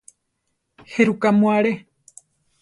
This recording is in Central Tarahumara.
¿Jéruka mu aré?